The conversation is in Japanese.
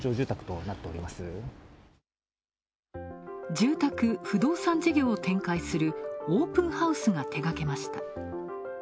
住宅・不動産事業を展開するオープンハウスが手がけました。